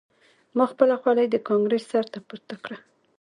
ما خپله خولۍ د کانکریټ سر ته پورته کړه